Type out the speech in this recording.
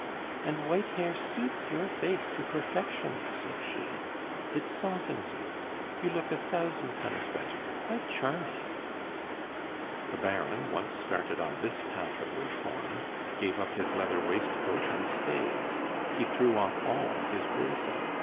"And white hair suits your face to perfection," said she; "it softens it. You look a thousand times better, quite charming." The Baron, once started on this path of reform, gave up his leather waistcoat and stays; he threw off all his bracing.